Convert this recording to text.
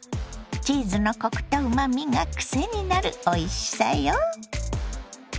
チーズのコクとうまみがクセになるおいしさよ。